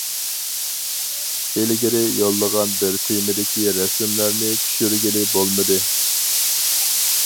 ئىلگىرى يوللىغان بىر تېمىدىكى رەسىملەرنى چۈشۈرگىلى بولمىدى.